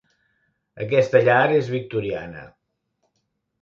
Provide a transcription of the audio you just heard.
Aquesta llar és victoriana.